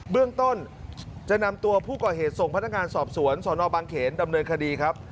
เบื้องต้นจะนำตัวผู้ก่อเหตุส่งพนักงานสอบสวนสนบางเขนดำเนินคดีครับ